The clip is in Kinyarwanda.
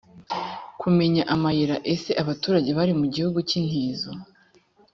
kumenya amayira ese abaturage bari mu gihugu k intizo